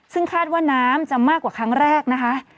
ซึ่งคาดว่าน้ำจะมากกว่าครั้งแรกนะคะ